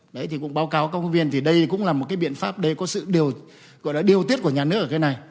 đấy thì cũng báo cáo các phóng viên thì đây cũng là một cái biện pháp để có sự điều tiết của nhà nước ở đây này